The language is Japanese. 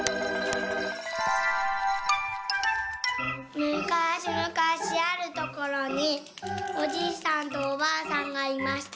「むかしむかしあるところにおじいさんとおばあさんがいました。